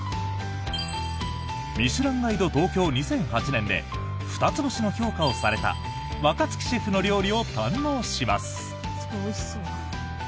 「ミシュランガイド東京２００８年」で２つ星の評価をされた若月シェフの料理を堪能します。